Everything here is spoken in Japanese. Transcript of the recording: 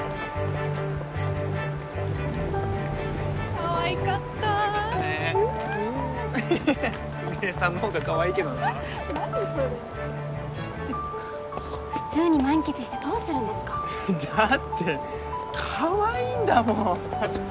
かわいかったかわいかったねヒュヒュスミレさんの方がかわいいけどなあ何それ普通に満喫してどうするんですかだってかわいいんだもんあっ